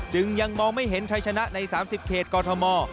จึงยังมองไม่เห็นชัยชนะใน๓๐เขตกอทม